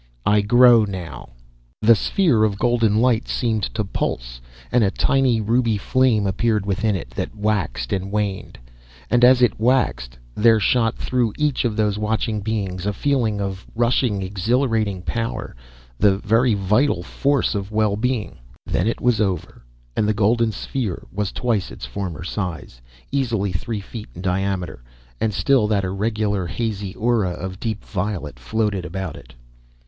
I grow now." The sphere of golden light seemed to pulse, and a tiny ruby flame appeared within it, that waxed and waned, and as it waxed, there shot through each of those watching beings a feeling of rushing, exhilarating power, the very vital force of well being. Then it was over, and the golden sphere was twice its former size easily three feet in diameter, and still that irregular, hazy aura of deep violet floated about it.